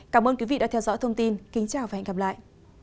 cảm ơn quý vị đã theo dõi thông tin kính chào và hẹn gặp lại